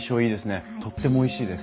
とってもおいしいです。